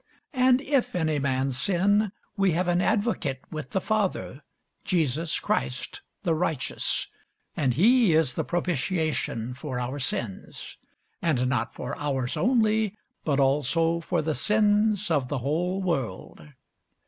And if any man sin, we have an advocate with the Father, Jesus Christ the righteous: and he is the propitiation for our sins: and not for ours only, but also for the sins of the whole world.